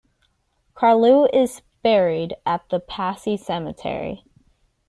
Carlu is buried at the Passy Cemetery.